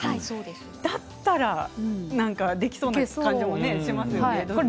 だったらできそうな感じもしますよね。